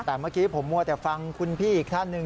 แต่เมื่อกี้ผมมัวแต่ฟังคุณพี่อีกท่านหนึ่ง